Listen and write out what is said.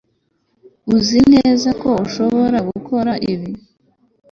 Uzi neza ko ushobora gukora ibi